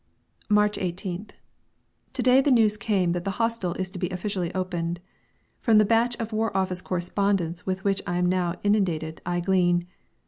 March 18th. To day the news came that the hostel is to be officially opened. From the batch of War Office correspondence with which I am now inundated I glean: 1.